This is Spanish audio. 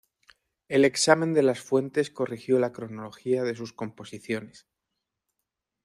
El examen de las fuentes corrigió la cronología de sus composiciones.